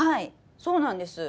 そうなんです。